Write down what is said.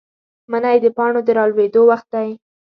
منی د پاڼو د رالوېدو وخت دی.